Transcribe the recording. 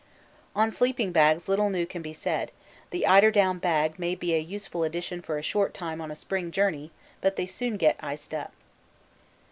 On sleeping bags little new can be said the eiderdown bag may be a useful addition for a short time on a spring journey, but they soon get iced up.